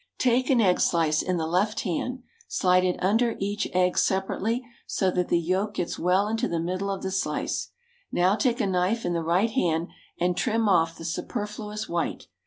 Take an egg slice in the left hand, slide it under each egg separately, so that the yolk gets well into the middle of the slice. Now take a knife in the right hand and trim off the superfluous white.